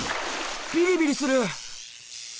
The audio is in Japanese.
ビリビリする！